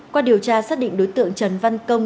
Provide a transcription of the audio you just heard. qua điều tra xác định đối tượng trần văn công